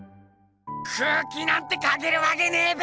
空気なんて描けるわけねぇべ！